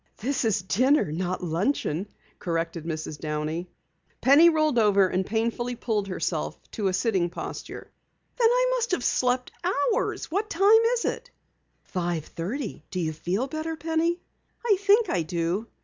"This is dinner, not luncheon," corrected Mrs. Downey. Penny rolled over and painfully pulled herself to a sitting posture. "Then I must have slept hours! What time is it?" "Five thirty. Do you feel better, Penny?" "I think I do.